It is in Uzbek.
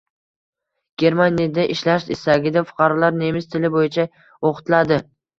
Germaniyada ishlash istagidagi fuqarolar nemis tili bo‘yicha o‘qitilading